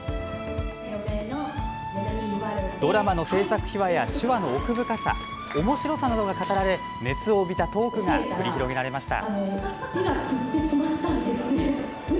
ドラマの制作秘話や手話の奥深さおもしろさなどが語られ熱を帯びたトークが繰り広げられました。